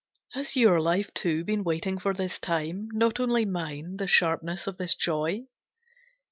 Has your life too been waiting for this time, Not only mine the sharpness of this joy?